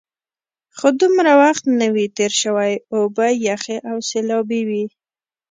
خو دومره وخت نه وي تېر شوی، اوبه یخې او سیلابي وې.